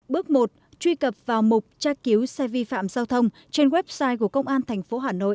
bước một truy cập vào mục tra cứu xe vi phạm giao thông trên website của công an tp hà nội